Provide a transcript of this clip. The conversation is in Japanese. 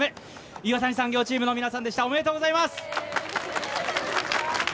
岩谷産業の皆さんでした、おめでとうございます。